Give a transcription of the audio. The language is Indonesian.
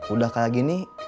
udah kayak gini